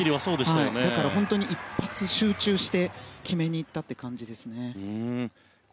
だから本当に、一発集中して決めにいった感じですね。